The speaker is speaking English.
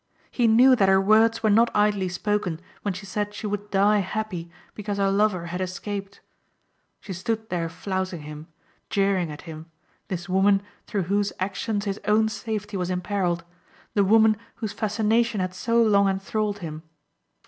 He knew that her words were not idly spoken when she said she would die happy because her lover had escaped. She stood there flouting him, jeering at him, this woman through whose actions his own safety was imperilled, the woman whose fascination had so long enthralled him.